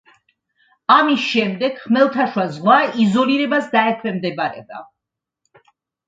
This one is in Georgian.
ამის შემდეგ ხმელთაშუა ზღვა იზოლირებას დაექვემდებარება.